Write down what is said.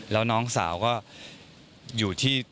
แล้วน้องสาวก็อยู่ที่